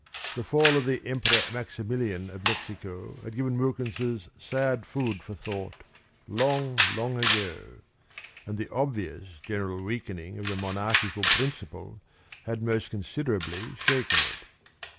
The fall of the Emperor Maximilian of Mexico had given Wilkins's sad food for thought long, long ago, and the obvious general weakening of the monarchical principle had most considerably shaken it.